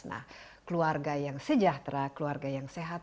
nah keluarga yang sejahtera keluarga yang sehat